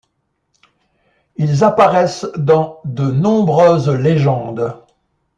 Ils apparaissent dans de nombreuses légendes.